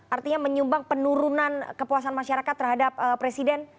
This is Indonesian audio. artinya menyumbang penurunan kepuasan masyarakat terhadap presiden